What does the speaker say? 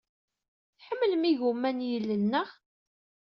Tḥemmlemt igumma n yilel, naɣ?